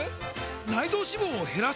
内臓脂肪を減らす！？